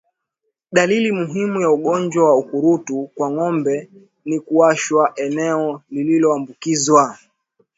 Dalili muhimu ya ugonjwa wa ukurutu kwa ngombe ni kuwashwa eneo lililoambukizwa